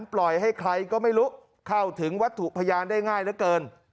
ปล่อยให้ใครก็ไม่รู้เข้าถึงวัตถุพยานได้ง่ายเหลือเกิน